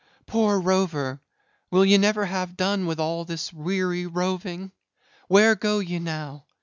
"Poor rover! will ye never have done with all this weary roving? where go ye now?